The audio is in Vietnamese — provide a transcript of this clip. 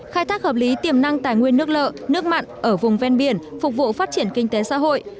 khai thác hợp lý tiềm năng tài nguyên nước lợ nước mặn ở vùng ven biển phục vụ phát triển kinh tế xã hội